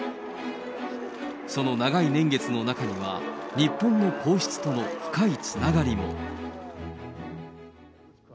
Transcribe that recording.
その長い年月の中には、日本の皇室との深いつながりも。